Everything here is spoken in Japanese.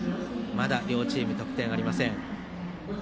まだ両チーム、得点ありません。